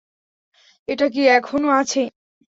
এটা কি এখনও আছে?